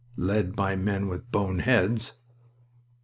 "Led by men with bone heads."